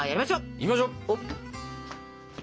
行きましょう！